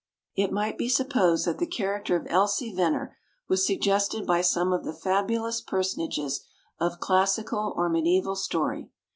It might be supposed that the character of Elsie Veneer was suggested by some of the fabulous personages of classical or mediaeval story.